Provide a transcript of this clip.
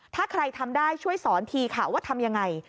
ถ้าใครทำได้ช่วยสอนทีค่ะว่าทำยังไง